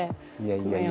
いやいや。